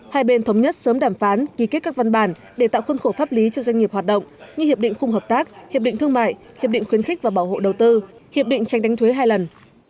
hai bên thống nhất sớm đàm phán ký kết các văn bản để tạo khuân khổ pháp lý cho doanh nghiệp hoạt động như hiệp định khung hợp tác hiệp định thương mại hiệp định khuyến khích và bảo hộ đầu tư hiệp định tranh đánh thuế hai lần